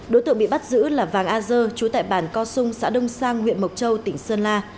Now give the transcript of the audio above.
đối tượng bị bắt giữ là vàng a dơ trú tại bản co xung xã đông sang huyện mộc châu tỉnh sơn la